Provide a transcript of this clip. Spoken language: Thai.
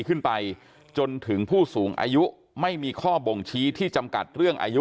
ขึ้นไปจนถึงผู้สูงอายุไม่มีข้อบ่งชี้ที่จำกัดเรื่องอายุ